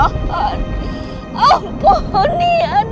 aku harap sapu apertjan